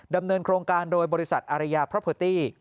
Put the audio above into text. ดำเนินโครงการโดยบริษัทอารยาเพราะเพอร์ตี้